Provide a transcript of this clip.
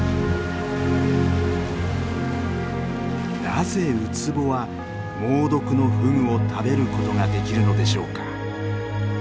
なぜウツボは猛毒のフグを食べることができるのでしょうか？